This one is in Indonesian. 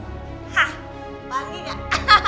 hah pangi gak